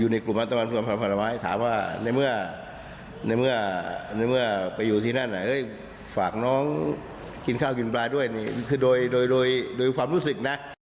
ในเมื่อไปอยู่ที่นั่นฝากน้องกินข้าวกินปลาด้วยคือโดยความรู้สึกนะ